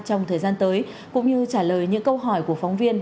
trong thời gian tới cũng như trả lời những câu hỏi của phóng viên